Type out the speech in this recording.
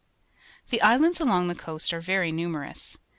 The islands along the coast are very numerous.